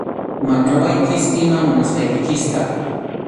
Mañawaychik iman munasqaykichikta.